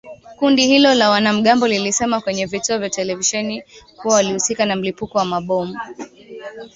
Kundi hilo la wanamgambo lilisema kwenye vituo vya televisheni kuwa walihusika na mlipuko wa mabomu